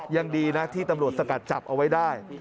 ยังดีนะที่ตำรวจสกัดจับเอาไว้ได้